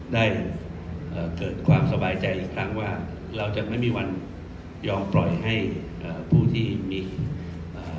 ได้เอ่อเกิดความสบายใจอีกครั้งว่าเราจะไม่มีวันยอมปล่อยให้เอ่อผู้ที่มีอ่า